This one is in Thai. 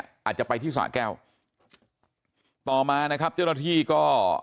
อาจจะไปที่สะแก้วต่อมานะครับเจ้าหน้าที่ก็